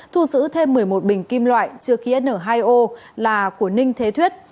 thu giữ thêm một mươi một bình kim loại chứa khí n hai o là của ninh thế thuyết